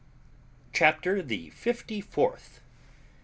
CHAPTER THE FIFTY FOURTH.